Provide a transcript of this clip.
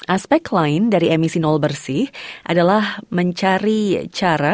aspek lain dari emisi nol bersih adalah mencari cara